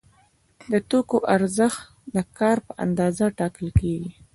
د توکو ارزښت د کار په اندازه ټاکل کیږي.